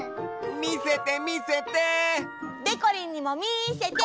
みせてみせて！でこりんにもみせて！